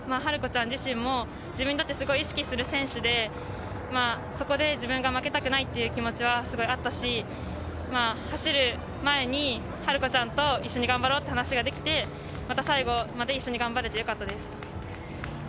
日体大も晴子ちゃん自身もすごく意識する選手で、そこで自分が負けたくないっていう気持ちがあったし、走る前に晴子ちゃんと一緒に頑張ろうって話ができて、最後まで一緒に頑張れてよかったです。